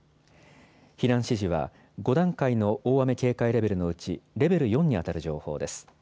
避難指示は５段階の大雨警戒レベルのうちレベル４に当たる情報です。